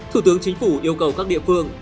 thủ tướng chính phủ yêu cầu các địa phương